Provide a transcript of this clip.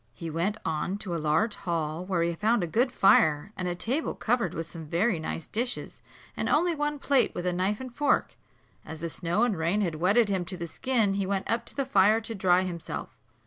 He went on to a large hall, where he found a good fire, and a table covered with some very nice dishes, and only one plate with a knife and fork. As the snow and rain had wetted him to the skin, he went up to the fire to dry himself.